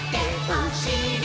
「おしり